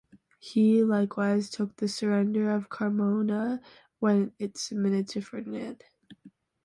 He likewise took the surrender of Carmona when it submitted to Ferdinand.